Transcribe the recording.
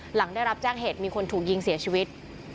หลังได้รับแจ้งเหตุมีคนถูกยิงเสียชีวิต